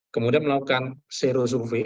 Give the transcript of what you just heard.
kemudian melakukan sero survei